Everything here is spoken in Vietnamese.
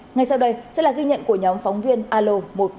ngay sau đây sẽ là ghi nhận của nhóm phóng viên alo một trăm một mươi một